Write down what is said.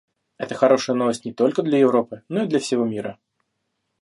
Это хорошая новость не только для Европы, но и для всего мира.